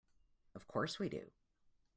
Of course we do.